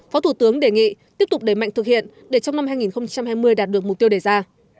phó thủ tướng đề nghị tiếp tục đẩy mạnh thực hiện để trong năm hai nghìn hai mươi đạt được mục tiêu đề ra